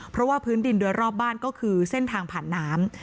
เพราะว่าพื้นดินโดยรอบบ้านก็คือเส้นทางผ่านน้ำ